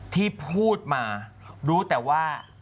ที่พูดมารู้แต่ว่า